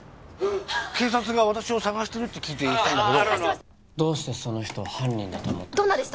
警察が私を捜してるって聞いて来たんだけどどうしてその人を犯人だと思ったんですか？